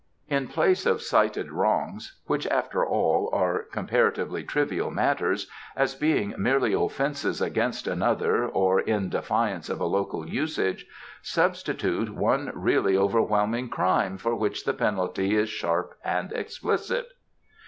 In place of cited wrongs which, after all, are comparatively trivial matters, as being merely offences against another or in defiance of a local usage substitute one really overwhelming crime for which the penalty is sharp and explicit."